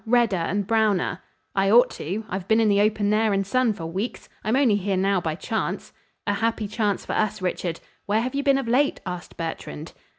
Redder and browner." "I ought to. I've been in the open air and sun for weeks. I'm only here now by chance." "A happy chance for us, Richard. Where have you been of late?" asked Bertrand.